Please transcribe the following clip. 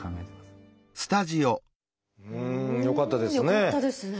よかったですね。